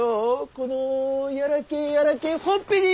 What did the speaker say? このやらけえやらけえほっぺによ！